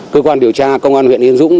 cơ quan điều tra công an huyện yên dũng